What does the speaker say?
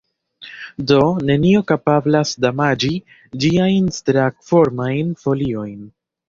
Do, nenio kapablas damaĝi ĝiajn strangformajn foliojn.